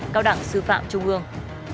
cao đẳng sư phạm trung ương